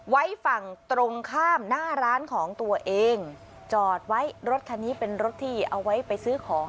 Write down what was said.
ไว้ฝั่งตรงข้ามหน้าร้านของตัวเองจอดไว้รถคันนี้เป็นรถที่เอาไว้ไปซื้อของ